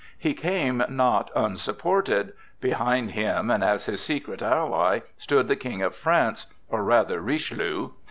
He came not unsupported; behind him, and as his secret ally, stood the King of France, or rather Richelieu.